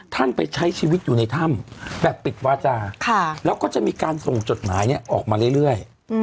ไปใช้ชีวิตอยู่ในถ้ำแบบปิดวาจาแล้วก็จะมีการส่งจดหมายออกมาเรื่อย